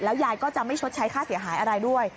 ยายก็จะไม่ชดใช้ค่าเสียหายอะไรด้วย